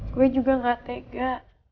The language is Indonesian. gue juga gak tega